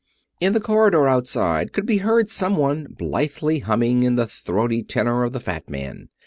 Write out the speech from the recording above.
In the corridor outside could be heard some one blithely humming in the throaty tenor of the fat man.